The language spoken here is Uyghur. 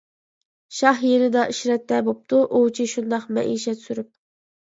شاھ يېنىدا ئىشرەتتە بوپتۇ، ئوۋچى شۇنداق مەئىشەت سۈرۈپ.